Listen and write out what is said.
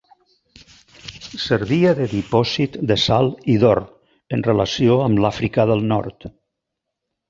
Servia de dipòsit de sal i d'or, en relació amb l'Àfrica del nord.